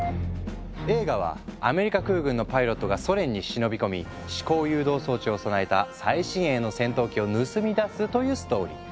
映画はアメリカ空軍のパイロットがソ連に忍び込み思考誘導装置を備えた最新鋭の戦闘機を盗み出すというストーリー。